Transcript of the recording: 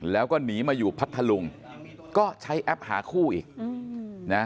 แล้วก็หนีมาอยู่พัทธลุงก็ใช้แอปหาคู่อีกนะ